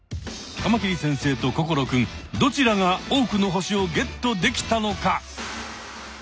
カマキリ先生と心くんどちらが多くの星をゲットできたのか。